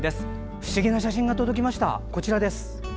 不思議な写真が届きました。